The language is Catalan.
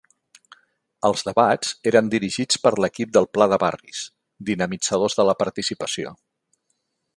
Els debats eren dirigits per l'equip del Pla de Barris, dinamitzadors de la participació.